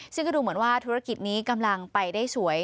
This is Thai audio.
ซึ่งก็ดูเหมือนว่าธุรกิจนี้กำลังไปได้สวย